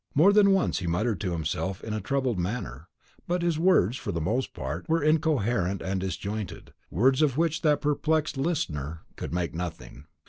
More than once he muttered to himself in a troubled manner; but his words, for the most part, were incoherent and disjointed words of which that perplexed listener could make nothing.